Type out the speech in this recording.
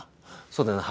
そうだな？